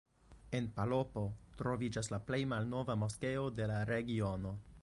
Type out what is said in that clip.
En Palopo troviĝas la plej malnova moskeo de la regiono.